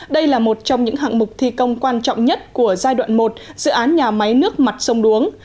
đây là một trong những hạng mục thi công quan trọng nhất của giai đoạn một dự án nhà máy nước mặt sông đuống